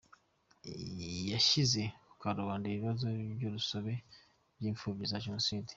yashyize ku karubanda ibibazo by’urusobe by’imfubyi za jenoside